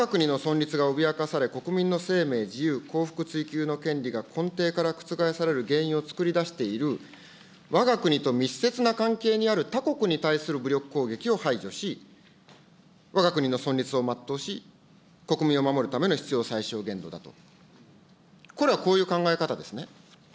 最小限度とは、わが国の存立が脅かされ、国民の生命、自由、幸福追求の権利が根底から覆される原因を作り出しているわが国と密接な関係にある他国に対する武力攻撃を排除し、わが国の存立を全うし、国民を守るための必要最小限度だと。